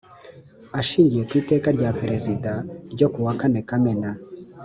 Ashingiye ku Iteka rya Perezida ryokuwa kane kamena